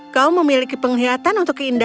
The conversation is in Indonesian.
kau memiliki penglihatan untuk keindahan